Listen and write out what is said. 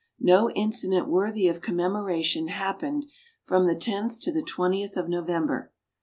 No incident worthy of commemoration happened from the 10th to 20th of November.